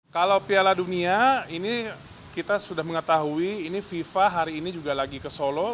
kalau piala dunia ini kita sudah mengetahui ini fifa hari ini juga lagi ke solo